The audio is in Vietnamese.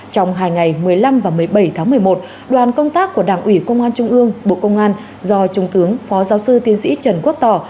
trong hai ngày một mươi năm và một mươi bảy tháng một mươi một đoàn công tác của đảng ủy công an trung ương bộ công an do trung tướng phó giáo sư tiến sĩ trần quốc tỏ